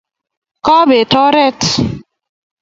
kapet oret